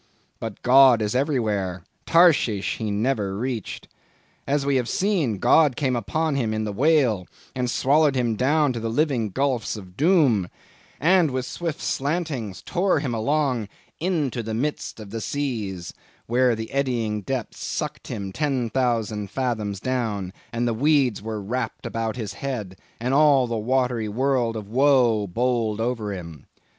But God is everywhere; Tarshish he never reached. As we have seen, God came upon him in the whale, and swallowed him down to living gulfs of doom, and with swift slantings tore him along 'into the midst of the seas,' where the eddying depths sucked him ten thousand fathoms down, and 'the weeds were wrapped about his head,' and all the watery world of woe bowled over him.